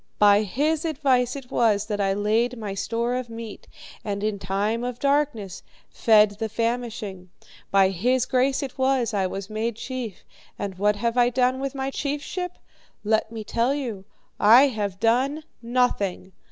By his advice it was that I laid my store of meat, and in time of darkness fed the famishing. By his grace it was that I was made chief. And what have I done with my chiefship? Let me tell you. I have done nothing.